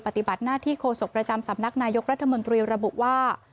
ปฏิบัติหน้าที่โฆษกประจำสำนักนายกรัฐมนตรีระบุว่า